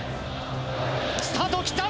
スタートを切った。